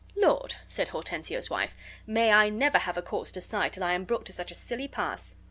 "Lord!" said Hortensio's wife, "may I never have a cause to sigh till I am brought to such a silly pass!"